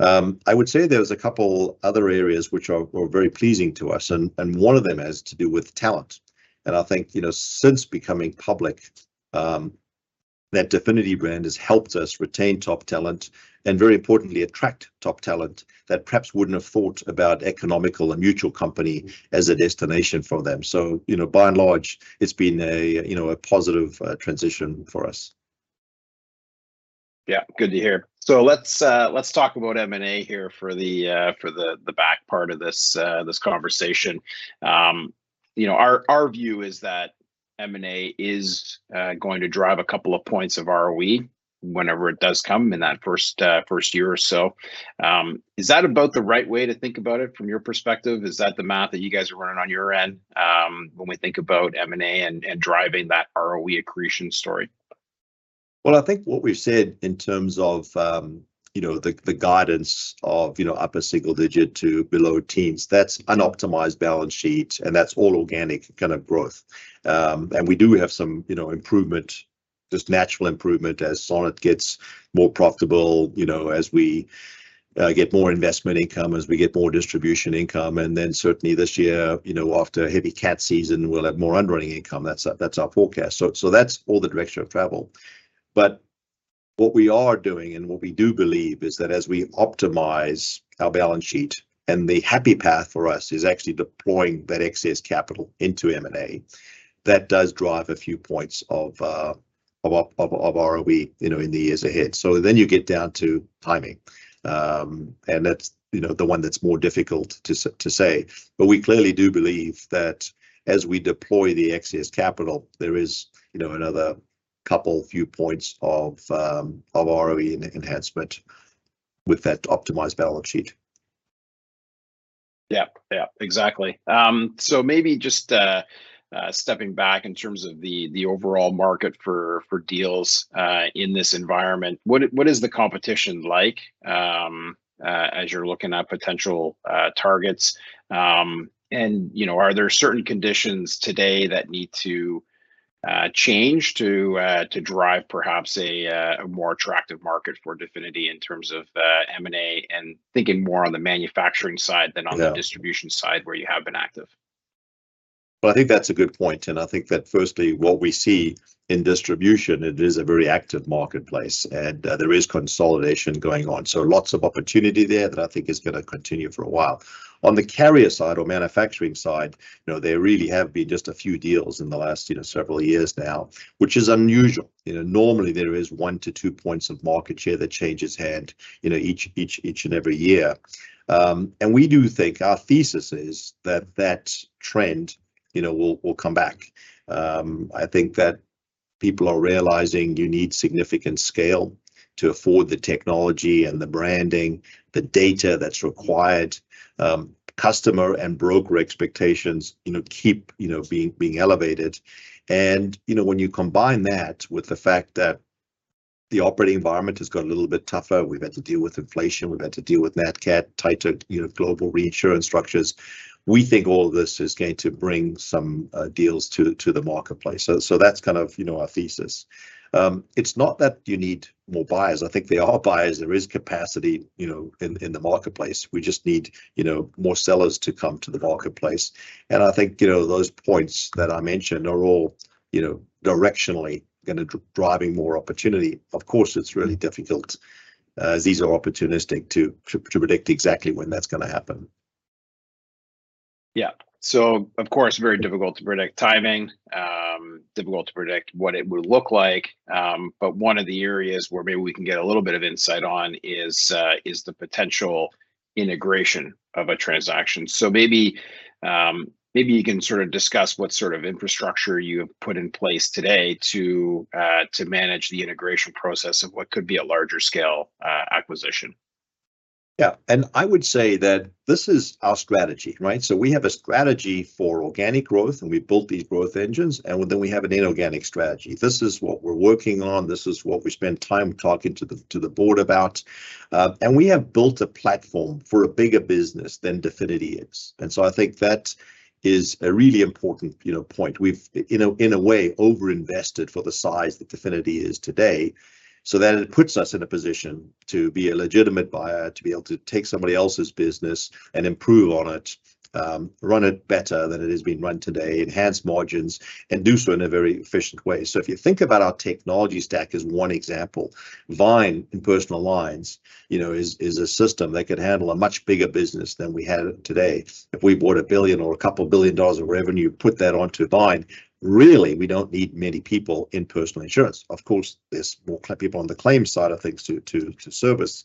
I would say there's a couple other areas which were very pleasing to us, and one of them has to do with talent. I think, you know, since becoming public, that Definity brand has helped us retain top talent and, very importantly, attract top talent that perhaps wouldn't have thought about Economical, a mutual company, as a destination for them. So, you know, by and large, it's been a, you know, a positive transition for us. Yeah, good to hear. So let's talk about M&A here for the back part of this conversation. You know, our view is that M&A is going to drive a couple of points of ROE whenever it does come in that first year or so. Is that about the right way to think about it from your perspective? Is that the math that you guys are running on your end, when we think about M&A and driving that ROE accretion story? Well, I think what we've said in terms of, you know, the, the guidance of, you know, upper single digit to below teens, that's an optimized balance sheet, and that's all organic kind of growth. And we do have some, you know, improvement, just natural improvement as Sonnet gets more profitable, you know, as we get more investment income, as we get more distribution income. And then certainly this year, you know, after a heavy cat season, we'll have more underwriting income. That's our, that's our forecast. So, so that's all the direction of travel. But what we are doing, and what we do believe, is that as we optimize our balance sheet, and the happy path for us is actually deploying that excess capital into M&A, that does drive a few points of, of, of ROE, you know, in the years ahead. So then you get down to timing, and that's, you know, the one that's more difficult to say. But we clearly do believe that as we deploy the excess capital, there is, you know, another couple, few points of ROE enhancement with that optimized balance sheet. Yep, yep, exactly. So maybe just stepping back in terms of the overall market for deals in this environment, what is the competition like as you're looking at potential targets? And, you know, are there certain conditions today that need to change to drive perhaps a more attractive market for Definity in terms of M&A, and thinking more on the manufacturing side than- Yeah on the distribution side, where you have been active? Well, I think that's a good point, and I think that firstly, what we see in distribution, it is a very active marketplace, and there is consolidation going on. So lots of opportunity there that I think is gonna continue for a while. On the carrier side or manufacturing side, you know, there really have been just a few deals in the last, you know, several years now, which is unusual. You know, normally there is one to two points of market share that changes hand, you know, each, each, each and every year. And we do think, our thesis is, that that trend, you know, will, will come back. I think that people are realizing you need significant scale to afford the technology and the branding, the data that's required. Customer and broker expectations, you know, keep, you know, being, being elevated. You know, when you combine that with the fact that the operating environment has got a little bit tougher, we've had to deal with inflation, we've had to deal with Nat Cat, tighter, you know, global reinsurance structures. We think all of this is going to bring some deals to the marketplace. So that's kind of, you know, our thesis. It's not that you need more buyers. I think there are buyers, there is capacity, you know, in the marketplace. We just need, you know, more sellers to come to the marketplace, and I think, you know, those points that I mentioned are all, you know, directionally gonna driving more opportunity. Of course, it's really difficult, as these are opportunistic, to predict exactly when that's gonna happen. Yeah, so of course, very difficult to predict timing. Difficult to predict what it would look like. But one of the areas where maybe we can get a little bit of insight on is the potential integration of a transaction. So maybe, maybe you can sort of discuss what sort of infrastructure you have put in place today to manage the integration process of what could be a larger scale acquisition. Yeah, and I would say that this is our strategy, right? So we have a strategy for organic growth, and we built these growth engines, and then we have an inorganic strategy. This is what we're working on. This is what we spend time talking to the, to the board about. And we have built a platform for a bigger business than Definity is, and so I think that is a really important, you know, point. We've, in a, in a way, overinvested for the size that Definity is today, so that it puts us in a position to be a legitimate buyer, to be able to take somebody else's business and improve on it. Run it better than it is being run today, enhance margins, and do so in a very efficient way. So if you think about our technology stack as one example, Vyne, in personal lines, you know, is a system that could handle a much bigger business than we have today. If we bought 1 billion or a couple billion dollars of revenue, put that onto Vyne, really, we don't need many people in personal insurance. Of course, there's more people on the claims side of things to service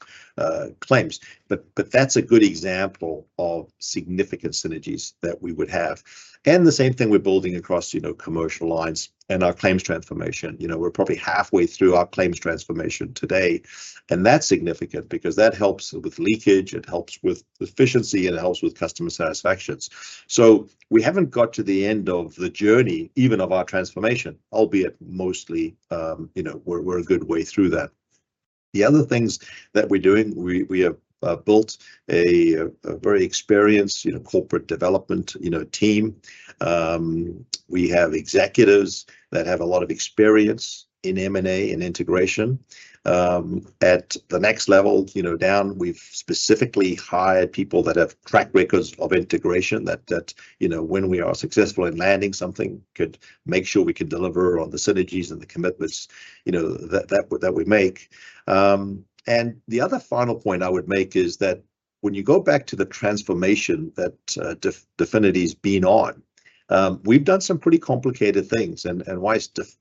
claims, but that's a good example of significant synergies that we would have. And the same thing we're building across, you know, commercial lines and our claims transformation. You know, we're probably halfway through our claims transformation today, and that's significant because that helps with leakage, it helps with efficiency, and it helps with customer satisfactions. So we haven't got to the end of the journey, even of our transformation, albeit mostly, you know, we're a good way through that. The other things that we're doing, we have built a very experienced, you know, corporate development, you know, team. We have executives that have a lot of experience in M&A and integration. At the next level, you know, down, we've specifically hired people that have track records of integration, that you know, when we are successful in landing something, could make sure we can deliver on the synergies and the commitments, you know, that we make. And the other final point I would make is that when you go back to the transformation that Definity's been on, we've done some pretty complicated things. And while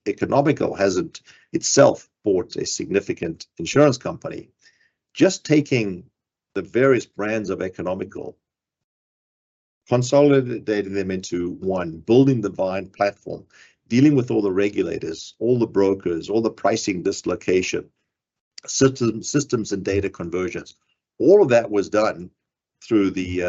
Economical hasn't itself bought a significant insurance company, just taking the various brands of Economical, consolidating them into one, building the Vyne platform, dealing with all the regulators, all the brokers, all the pricing dislocation, systems and data conversions, all of that was done through the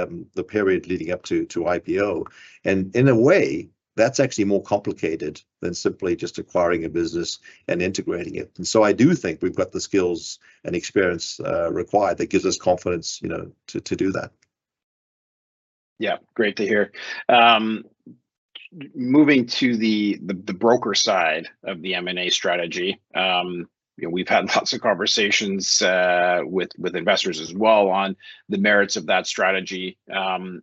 period leading up to IPO. And in a way, that's actually more complicated than simply just acquiring a business and integrating it. And so I do think we've got the skills and experience required that gives us confidence, you know, to do that. Yeah, great to hear. Moving to the broker side of the M&A strategy, you know, we've had lots of conversations with investors as well on the merits of that strategy. You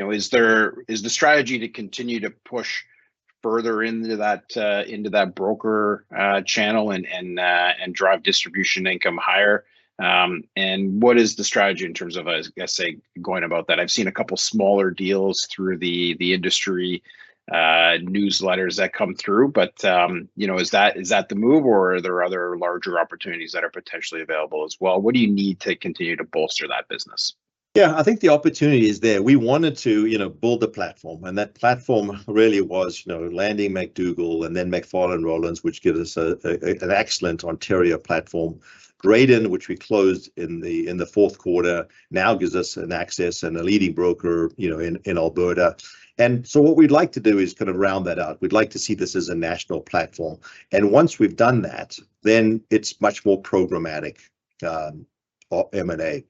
know, is the strategy to continue to push further into that broker channel and drive distribution income higher? And what is the strategy in terms of, I guess, say, going about that? I've seen a couple smaller deals through the industry newsletters that come through, but you know, is that the move, or are there other larger opportunities that are potentially available as well? What do you need to continue to bolster that business? Yeah, I think the opportunity is there. We wanted to, you know, build a platform, and that platform really was, you know, landing McDougall, and then McFarlan Rowlands, which gives us an excellent Ontario platform. Drayden, which we closed in the fourth quarter, now gives us an access and a leading broker, you know, in Alberta. And so what we'd like to do is kind of round that out. We'd like to see this as a national platform, and once we've done that, then it's much more programmatic or M&A.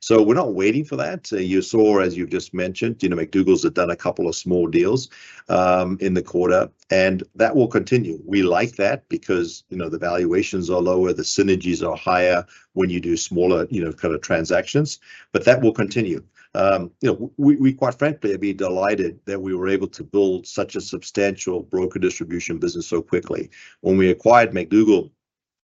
So we're not waiting for that. You saw, as you've just mentioned, you know, McDougall's had done a couple of small deals in the quarter, and that will continue. We like that because, you know, the valuations are lower, the synergies are higher when you do smaller, you know, kind of transactions, but that will continue. You know, we quite frankly have been delighted that we were able to build such a substantial broker distribution business so quickly. When we acquired McDougall,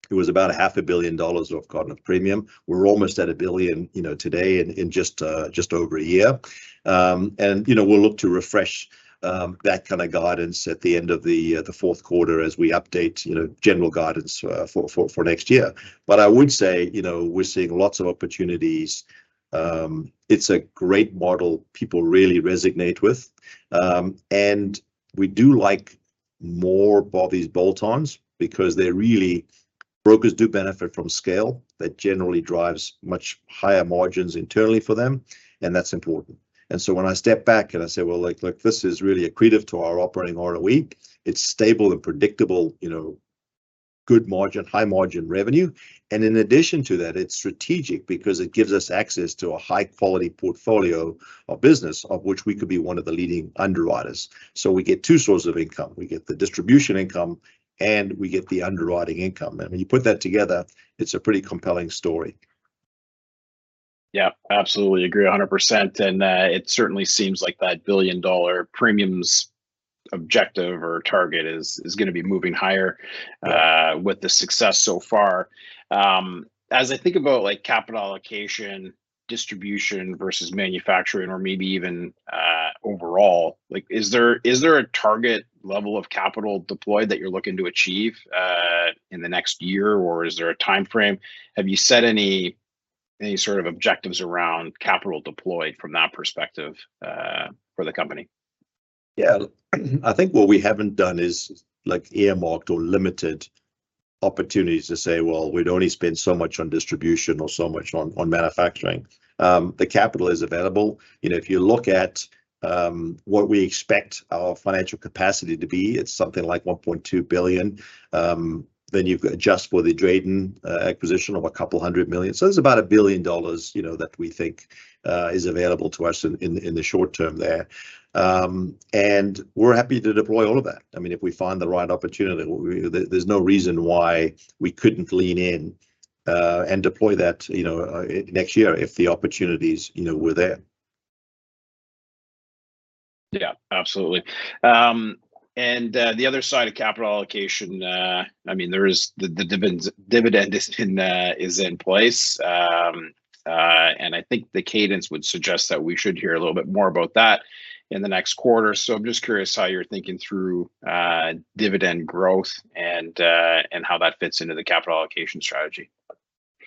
it was about 500 million dollars of written premium. We're almost at 1 billion, you know, today in just over a year. And, you know, we'll look to refresh that kind of guidance at the end of the fourth quarter as we update, you know, general guidance for next year. But I would say, you know, we're seeing lots of opportunities. It's a great model people really resonate with. And we do like more bolt-ons because they're really. Brokers do benefit from scale. That generally drives much higher margins internally for them, and that's important. And so when I step back and I say, "Well, like, look, this is really accretive to our Operating ROE. It's stable and predictable, you know, good margin, high margin revenue," and in addition to that, it's strategic because it gives us access to a high-quality portfolio of business, of which we could be one of the leading underwriters. So we get two sources of income: We get the distribution income, and we get the underwriting income. I mean, you put that together, it's a pretty compelling story. Yeah, absolutely agree 100%, and it certainly seems like that billion-dollar premiums objective or target is gonna be moving higher with the success so far. As I think about, like, capital allocation, distribution versus manufacturing, or maybe even overall, like, is there a target level of capital deployed that you're looking to achieve in the next year, or is there a timeframe? Have you set any sort of objectives around capital deployed from that perspective for the company? Yeah. I think what we haven't done is, like, earmarked or limited opportunities to say, "Well, we'd only spend so much on distribution or so much on manufacturing." The capital is available. You know, if you look at what we expect our financial capacity to be, it's something like 1.2 billion. Then you've got to adjust for the Drayden acquisition of 200 million. So there's about 1 billion dollars, you know, that we think is available to us in the short term there. And we're happy to deploy all of that. I mean, if we find the right opportunity, there's no reason why we couldn't lean in and deploy that, you know, next year, if the opportunities, you know, were there. Yeah, absolutely. The other side of capital allocation, I mean, there is the dividend is in place. I think the cadence would suggest that we should hear a little bit more about that in the next quarter. So I'm just curious how you're thinking through dividend growth and how that fits into the capital allocation strategy.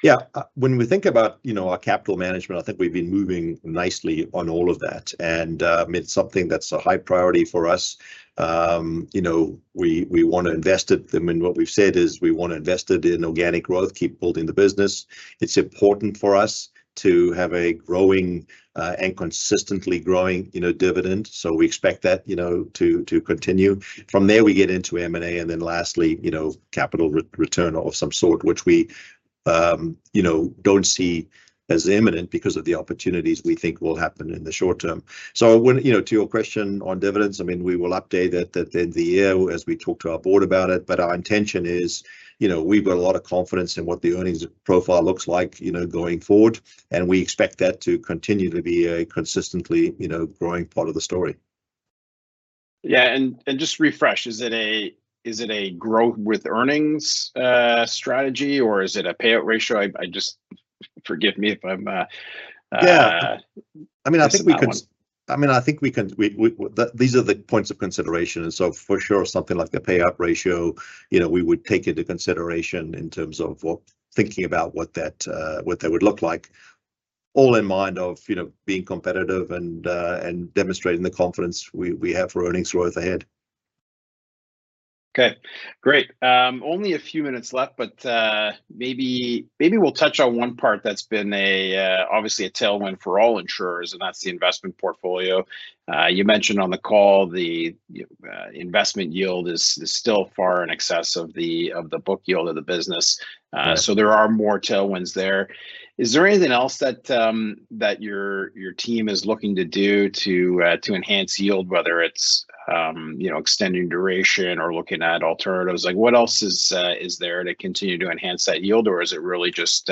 Yeah. When we think about, you know, our capital management, I think we've been moving nicely on all of that, and, I mean, it's something that's a high priority for us. You know, we, we want to invest it. I mean, what we've said is we want to invest it in organic growth, keep building the business. It's important for us to have a growing, and consistently growing, you know, dividend. So we expect that, you know, to, to continue. From there, we get into M&A, and then lastly, you know, capital return of some sort, which we, you know, don't see as imminent because of the opportunities we think will happen in the short term. you know, to your question on dividends, I mean, we will update it at the end of the year as we talk to our board about it. But our intention is, you know, we've got a lot of confidence in what the earnings profile looks like, you know, going forward, and we expect that to continue to be a consistently, you know, growing part of the story. Yeah, and just to refresh, is it a growth with earnings strategy, or is it a payout ratio? I just... Forgive me if I'm Yeah. I mean, I think we can- We must. I mean, I think we can, these are the points of consideration, and so for sure, something like the payout ratio, you know, we would take into consideration in terms of what, thinking about what that, what that would look like. All in mind of, you know, being competitive and, and demonstrating the confidence we have for earnings growth ahead. Okay, great. Only a few minutes left, but maybe, maybe we'll touch on one part that's been obviously a tailwind for all insurers, and that's the investment portfolio. You mentioned on the call the investment yield is still far in excess of the book yield of the business- Yeah so there are more tailwinds there. Is there anything else that your team is looking to do to enhance yield, whether it's you know, extending duration or looking at alternatives? Like, what else is there to continue to enhance that yield, or is it really just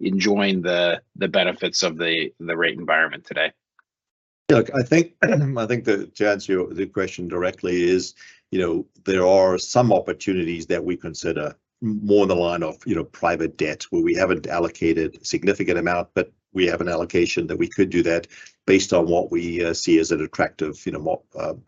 enjoying the benefits of the rate environment today? Look, I think that to answer your, the question directly is, you know, there are some opportunities that we consider more in the line of, you know, private debt, where we haven't allocated a significant amount, but we have an allocation that we could do that based on what we see as an attractive, you know,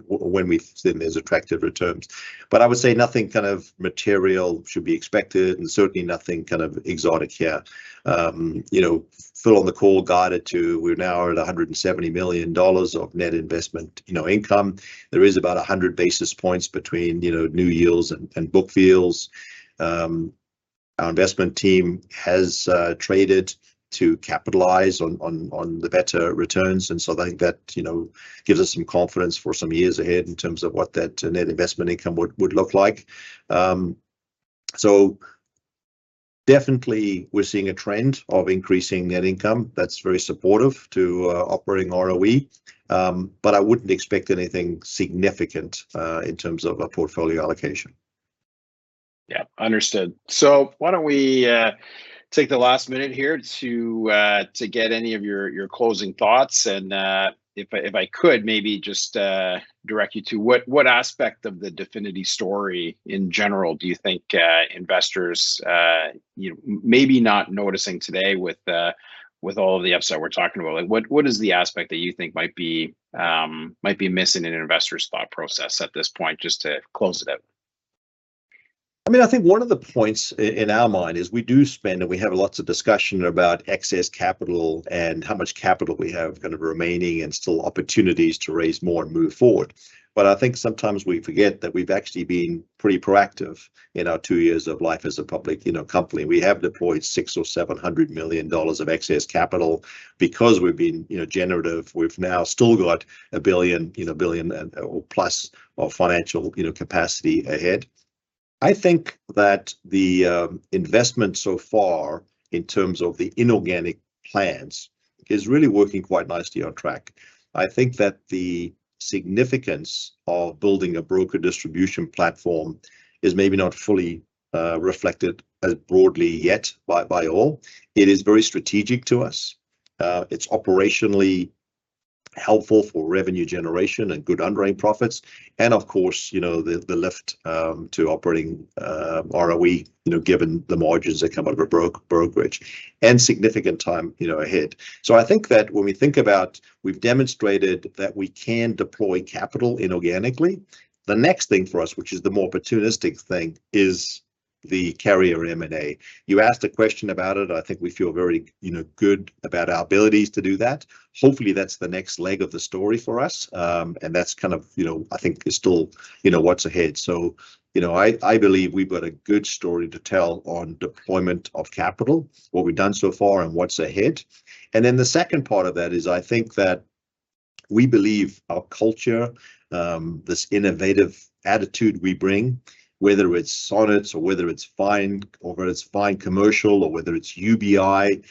when we see them as attractive returns. But I would say nothing kind of material should be expected, and certainly nothing kind of exotic here. You know, Phil, on the call, guided to we're now at 170 million dollars of net investment, you know, income. There is about 100 basis points between, you know, new yields and book yields. You- Our investment team has traded to capitalize on the better returns, and so I think that, you know, gives us some confidence for some years ahead in terms of what that net investment income would look like. So definitely we're seeing a trend of increasing net income that's very supportive to Operating ROE. But I wouldn't expect anything significant in terms of a portfolio allocation. Yeah, understood. So why don't we take the last minute here to get any of your closing thoughts? And if I could, maybe just direct you to what aspect of the Definity story in general do you think investors you know maybe not noticing today with all of the upside we're talking about? Like, what is the aspect that you think might be missing in an investor's thought process at this point, just to close it out? I mean, I think one of the points in our mind is we do spend, and we have lots of discussion about excess capital and how much capital we have kind of remaining, and still opportunities to raise more and move forward. But I think sometimes we forget that we've actually been pretty proactive in our two years of life as a public, you know, company. We have deployed 600 million or 700 million dollars of excess capital. Because we've been, you know, generative, we've now still got a billion, you know, billion or plus of financial, you know, capacity ahead. I think that the investment so far in terms of the inorganic plans is really working quite nicely on track. I think that the significance of building a broker distribution platform is maybe not fully reflected as broadly yet by, by all. It is very strategic to us. It's operationally helpful for revenue generation and good underwriting profits, and of course, you know, the lift to operating ROE, you know, given the margins that come out of a brokerage, and significant time, you know, ahead. So I think that when we think about we've demonstrated that we can deploy capital inorganically, the next thing for us, which is the more opportunistic thing, is the carrier M&A. You asked a question about it, I think we feel very, you know, good about our abilities to do that. Hopefully, that's the next leg of the story for us. And that's kind of, you know, I think is still, you know, what's ahead. So, you know, I believe we've got a good story to tell on deployment of capital, what we've done so far and what's ahead. And then the second part of that is I think that we believe our culture, this innovative attitude we bring, whether it's Sonnet's or whether it's Vyne- or whether it's Vyne Commercial, or whether it's UBI,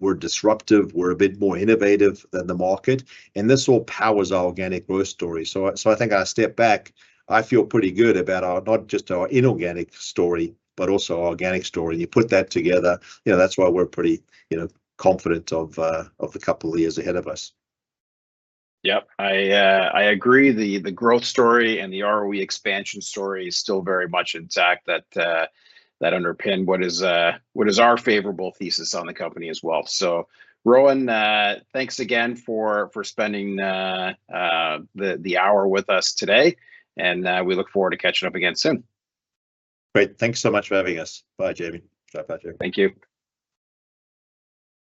we're disruptive, we're a bit more innovative than the market, and this all powers our organic growth story. So I, so I think I step back, I feel pretty good about our... Not just our inorganic story, but also our organic story. And you put that together, you know, that's why we're pretty, you know, confident of, of the couple of years ahead of us. Yep, I, I agree. The growth story and the ROE expansion story is still very much intact, that underpin what is, what is our favorable thesis on the company as well. So, Rowan, thanks again for spending the hour with us today, and we look forward to catching up again soon. Great. Thanks so much for having us. Bye, Jaeme. Bye, Patrick. Thank you.